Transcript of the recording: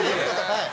はい。